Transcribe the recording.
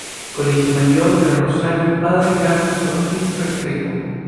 Colegio Mayor del Rosario Padre Carlos Ortíz Restrepo.